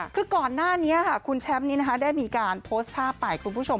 คือก่อนหน้านี้คุณแชมป์ได้มีการโพสต์ภาพปล่อยคุณผู้ชม